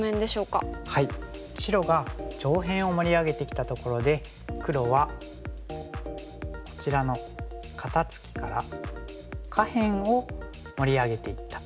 白が上辺を盛り上げてきたところで黒はこちらの肩ツキから下辺を盛り上げていったと。